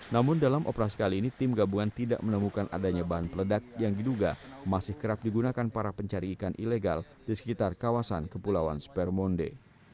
namun dalam operasi kali ini tim gabungan tidak menemukan adanya bahan peledak yang diduga masih kerap digunakan para pencari ikan ilegal di sekitar kawasan kepulauan spermonde